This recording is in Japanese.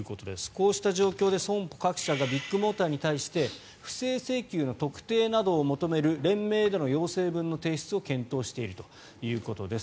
こうした状況で損保各社がビッグモーターに対して不正請求の特定などを求める連名での要請文の提出を検討しているということです。